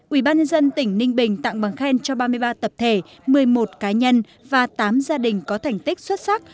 ubnd tỉnh ninh bình tặng bằng khen cho ba mươi ba tập thể một mươi một cá nhân và tám gia đình có thành tích xuất sắc